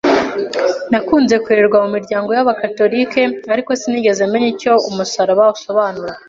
Nakunze kurererwa mu miryango y’Abagatolika, ariko sinigeze menya icyo umusaraba usobanura,